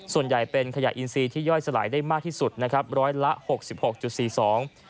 ส่วนใหญ่เป็นขยะอินซีที่ย่อยสลายได้มากที่สุดนะครับร้อยละหกสิบหกจุดสี่สอง